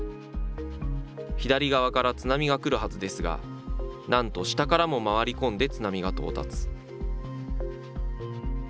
左側から津波が来るはずですが、なんと下からも回り込んで津波が到達。